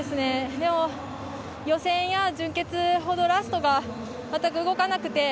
予選や準決勝ほどラストが全く動かなくて。